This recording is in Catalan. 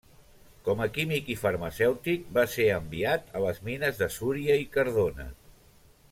Com a químic i farmacèutic, va ser enviat a les mines de Súria i Cardona.